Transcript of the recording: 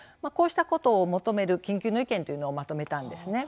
こうしたことを求める緊急の意見というのはまとめたんです。